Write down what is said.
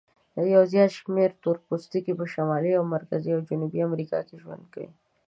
یو زیات شمیر تور پوستکي په شمالي، مرکزي او جنوبي امریکا کې ژوند کوي.